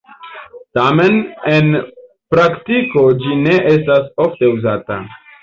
Tamen, en praktiko ĝi ne estas ofte uzata.